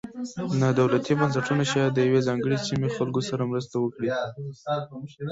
نا دولتي بنسټونه شاید د یوې ځانګړې سیمې خلکو سره مرسته وکړي.